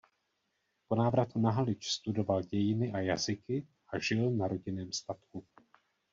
Po návratu na Halič studoval dějiny a jazyky a žil na rodinném statku.